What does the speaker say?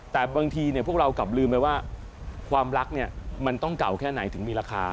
แต่บางทีพวกเรากลับลืมไปว่าความรักเนี่ยมันต้องเก่าแค่ไหนถึงมีราคา